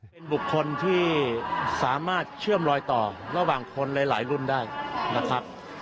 เป็นบุคคลที่สามารถเชื่อมลอยต่อระหว่างคนหลายรุ่นได้นะครับ